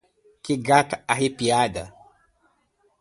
Que gata arrepiada.